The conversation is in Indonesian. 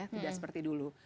tidak seperti dulu